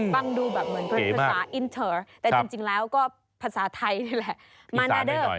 ปังดูเหมือนภาษาอินเตอร์แต่จริงแล้วก็ภาษาไทยนี่แหละ